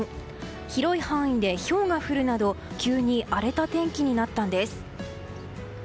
広い範囲でひょうが降るなど急に荒れた天気になったんです。